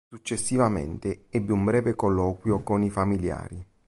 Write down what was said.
Successivamente ebbe un breve colloquio con i familiari.